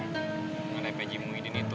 gak ada epik muhidin itu